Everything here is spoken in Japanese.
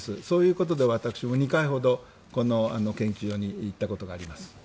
そういうことで私も２回ほど、この研究所に行ったことがあります。